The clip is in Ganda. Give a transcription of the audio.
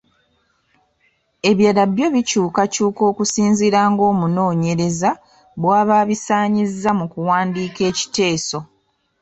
Ebirala byo bikyukakyuka okusinziira ng’omunoonyereza bw'aba abisaanyizza mu kuwandiika ekiteeso.